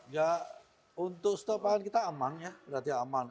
ya untuk stok pangan kita aman ya berarti aman